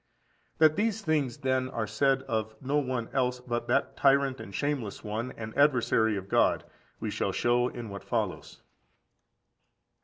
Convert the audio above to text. That these things, then, are said of no one else but that tyrant, and shameless one, and adversary of God, we shall show in what follows.